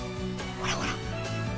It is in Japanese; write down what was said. ほらほら！